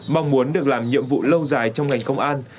mong muốn được làm nhiệm vụ lâu dài trong ngành công an